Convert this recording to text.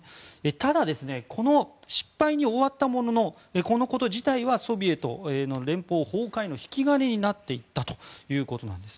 ただ、この失敗に終わったもののこのこと自体はソビエトの連邦崩壊の引き金になっていったということなんです。